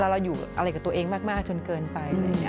เราอยู่อะไรกับตัวเองมากจนเกินไป